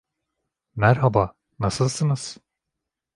Merhaba, nasılsınız?